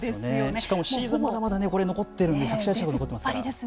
しかもシーズンまだまだ残っているので１００試合近く残ってます。